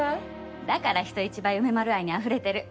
だから人一倍梅丸愛にあふれてる。